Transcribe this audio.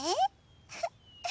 フフッ。